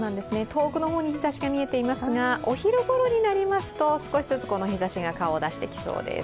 遠くの方に日ざしが見えていますがお昼ごろになりますと少しずつ日ざしが顔を出してきそうです。